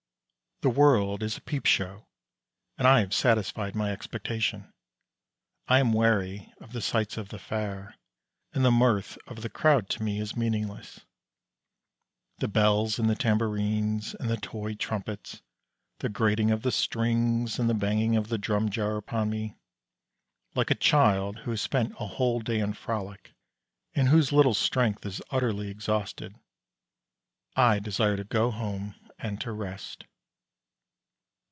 The world is a peep show, and I have satisfied my expectation. I am weary of the sights of the fair, and the mirth of the crowd to me is meaningless. The bells, and the tambourines, and the toy trumpets, the grating of the strings, and the banging of the drum jar upon me. Like a child, who has spent a whole day in frolic and whose little strength is utterly exhausted, I desire to go home and to rest.